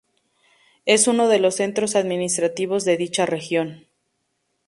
Es uno de los centros administrativos de dicha región.